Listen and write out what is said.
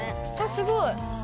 すごい！